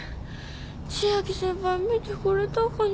千秋先輩見てくれたかな？